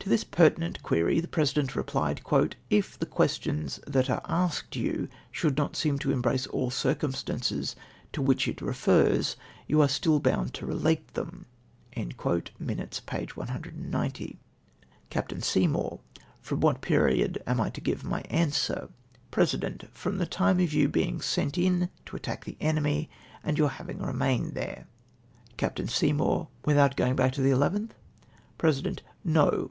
To this pertment query the President replied ;" If the questions that are asked you should not seem to embrace all the circumstances to icJdch it refers^ you are still bound to relate them." {3Iinutes, p. 190.) Capt. Seymour. —" From what period am I to give my answer ?" President. — "From the time of your being sent in to attack the enemy, and your having remained there." Capt. Seymour. — "Without going back to the ll^/t?" President.^ —" No